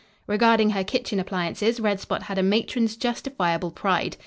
Regarding her kitchen appliances Red Spot had a matron's justifiable pride.